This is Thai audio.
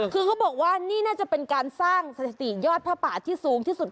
คือเขาบอกว่านี่น่าจะเป็นการสร้างสถิติยอดผ้าป่าที่สูงที่สุด